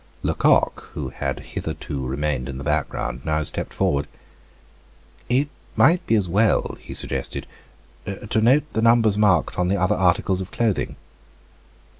Lecoq, who had hitherto remained in the background, now stepped forward. "It might be as well," he suggested, "to note the numbers marked on the other articles of clothing."